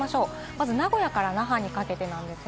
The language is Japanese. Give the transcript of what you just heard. まず名古屋から那覇にかけて。